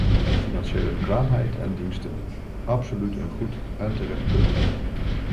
Financiële bekwaamheid en diensten - absoluut een goed en terecht punt.